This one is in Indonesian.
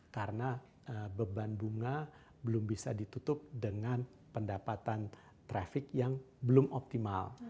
karena beban bunga belum bisa ditutup dengan pendapatan traffic yang belum optimal